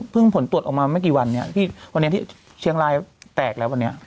เพิ่งผลตรวจออกมาไม่กี่วันที่เชียงรายแตกแล้ววันนี้